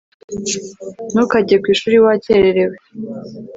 Ntukajye ku ishuri wakererewe